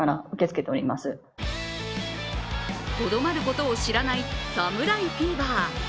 とどまることを知らない侍フィーバー。